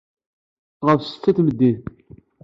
Ɣef ssetta n tmeddit.